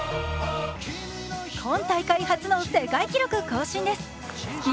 今大会初の世界記録更新です。